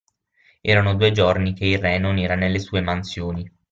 Erano due giorni che il re non era nelle sue mansioni.